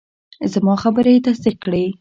زما خبرې یې تصدیق کړې.